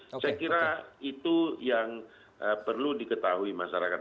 saya kira itu yang perlu diketahui masyarakat